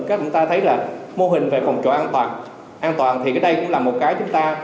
chúng ta thấy là mô hình về phòng trọ an toàn an toàn thì cái đây cũng là một cái chúng ta